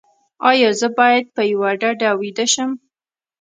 ایا زه باید په یوه ډډه ویده شم؟